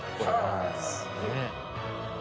すげえな。